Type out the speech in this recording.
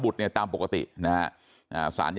สวัสดีครับคุณผู้ชาย